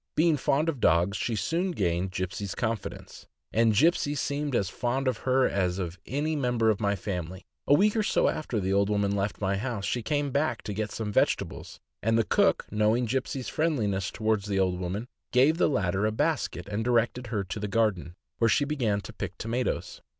Being fond of dogs, she soon gained Gipsey' s confidence, and Gipsey seemed as fond of her as of any member of my family. A week or so after the old woman left my house, she came back to get some vege tables, and the cook, knowing Gipsey' s friendliness toward the old woman, gave the latter a basket, and directed her to the garden, where she began to pick tomatoes.